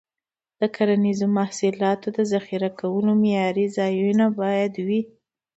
د کرنیزو محصولاتو د ذخیره کولو معیاري ځایونه باید وي.